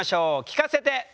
聞かせて！